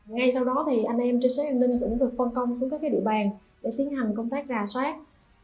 ngay sau đó thì anh em trên xếp an ninh cũng được phân công xuống các cái địa bàn để tiến hành công tác gà xoát